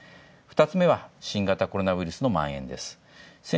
２つめは新型コロナウイルスのまん延です。